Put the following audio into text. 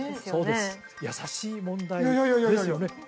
そうですやさしい問題ですよね